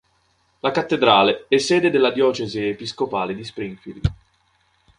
La cattedrale è sede della diocesi episcopale di Springfield.